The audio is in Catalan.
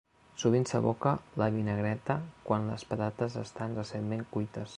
Sovint s'aboca la vinagreta quan les patates estan recentment cuites.